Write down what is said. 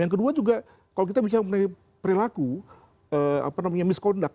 yang kedua juga kalau kita bisa memiliki perilaku misconduct